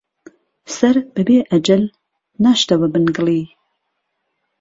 سەر بهبێ ئهجهل ناشتهوە بن گڵی